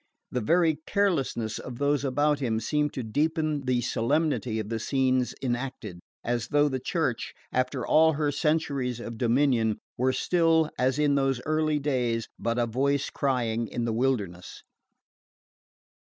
The very carelessness of those about him seemed to deepen the solemnity of the scenes enacted as though the Church, after all her centuries of dominion, were still, as in those early days, but a voice crying in the wilderness.